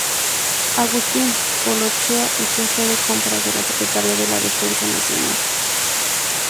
Agustín Olachea; y jefe de compras de la Secretaria de la Defensa Nacional.